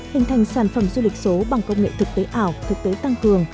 hình thành sản phẩm du lịch số bằng công nghệ thực tế ảo thực tế tăng cường